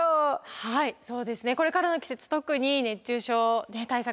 はいそうですね。これからの季節特に熱中症対策